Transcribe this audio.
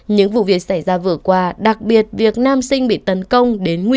những vụ việc xảy ra vừa qua đặc biệt việc nam sinh bị tấn công